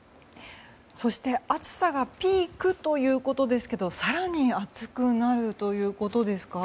そして暑さがピークということですが更に暑くなるということですか？